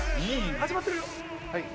始まってるよ。